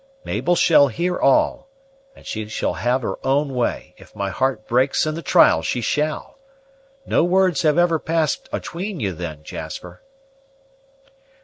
Mabel shall hear all, and she shall have her own way, if my heart breaks in the trial, she shall. No words have ever passed 'atween you, then, Jasper?"